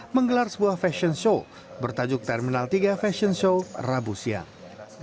menggelar sebuah fashion show bertajuk terminal tiga fashion show rabu siang